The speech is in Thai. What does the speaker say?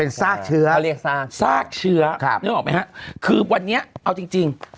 เป็นซากเชื้อเขาเรียกซากซากเชื้อครับนึกออกไหมฮะคือวันนี้เอาจริงจริง